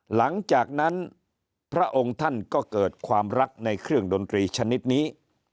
หลังจากนั้นพระองค์ท่านก็เกิดความรักในเครื่องดนตรีชนิดนี้